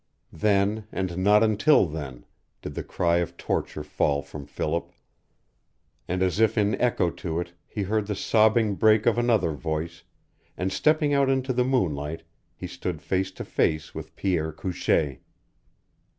Then, and not until then, did the cry of torture fall from Philip. And as if in echo to it he heard the sobbing break of another voice, and stepping out into the moonlight he stood face to face with Pierre Couchee.